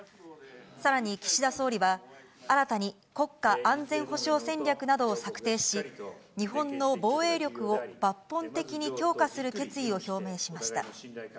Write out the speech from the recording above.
さらに、岸田総理は、新たに国家安全保障戦略などを策定し、日本の防衛力を抜本的に強化する決意を表明しました。